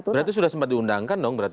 berarti sudah sempat diundangkan dong berarti